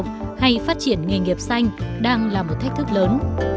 hay phát triển nghề nghiệp xanh đang là một thách thức lớn